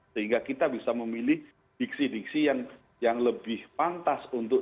sehingga kita bisa memilih diksi diksi yang lebih pantas untuk